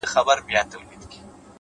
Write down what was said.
د سړک څراغونه د شپې لار نرموي؛